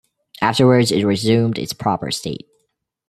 Afterwards it resumed its proper state.